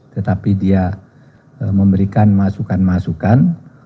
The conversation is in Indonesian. tetapi dia memberikan masukan masukan